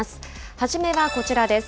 初めはこちらです。